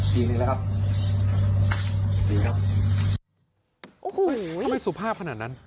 ทำไมสุภาพขนาดนั้น